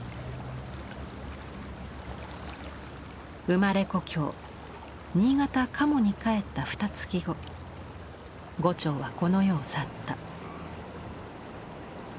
生まれ故郷新潟・加茂に帰ったふたつき後牛腸はこの世を去った。